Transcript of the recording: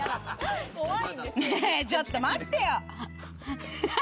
ねぇ、ちょっと待ってよ。